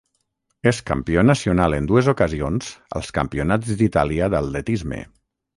És campió nacional en dues ocasions als Campionats d'Itàlia d'Atletisme.